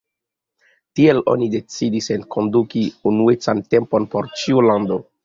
Tiel oni decidis enkonduki unuecan tempon por ĉiu lando.